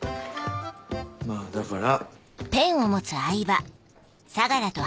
まぁだから。